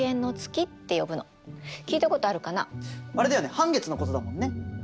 半月のことだもんね。